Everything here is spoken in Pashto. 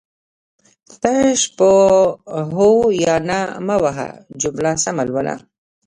تش په هو او نه مه وهه جمله سمه لوله